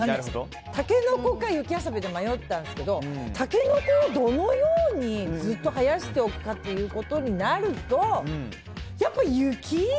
タケノコか雪遊びで迷ったんですけどタケノコをどのようにずっと生やしておくかということになるとやっぱ、雪？